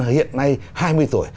hiện nay hai mươi tuổi